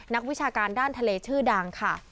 วิชาการด้านทะเลชื่อดังค่ะ